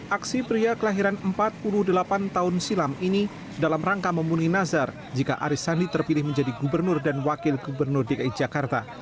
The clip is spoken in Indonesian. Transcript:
aksi pria kelahiran empat puluh delapan tahun silam ini dalam rangka memuni nazar jika arisani terpilih menjadi gubernur dan wakil gubernur dki jakarta